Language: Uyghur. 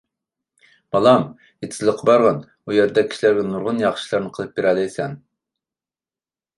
بالام، ئېتىزلىققا بارغىن، ئۇ يەردە كىشىلەرگە نۇرغۇن ياخشى ئىشلارنى قىلىپ بېرەلەيسەن!